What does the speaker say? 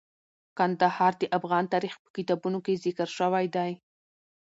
کندهار د افغان تاریخ په کتابونو کې ذکر شوی دي.